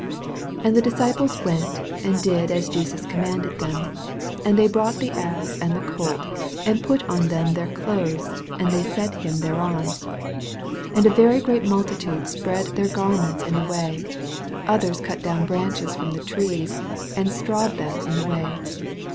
6 And the disciples went, and did as Jesus commanded them. 7 And brought the ass, and the co.t, and put on them their clothes, and they set him thereon. 8 And a very great multitude spread MATTHEW, CHAP. XXI. 263 their garments !q the way ; others cnt down branches from the trees, and strawed them in the wav.